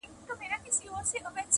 لاس، لاس پېژني.